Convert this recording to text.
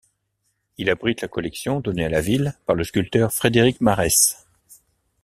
Il abrite la collection donnée à la ville par le sculpteur Frederic Marès.